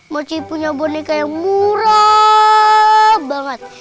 mau ci punya boneka yang murah banget